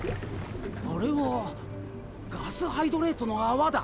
あれはガスハイドレートの泡だ！